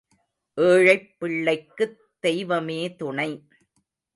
ஏழைப் பிள்ளைக்குத் தெய்வமே துணை.